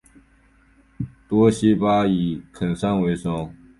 多希巴以垦山为生。